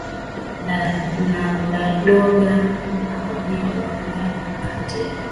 na Ladoga na Onega ambayo ni kati ya